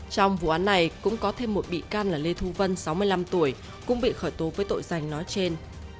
trong vụ án này cũng có thêm một bị can là lê thu vân sáu mươi năm tuổi cũng bị khởi tố với tội danh nói trên